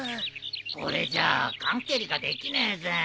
これじゃあ缶蹴りができねえぜ。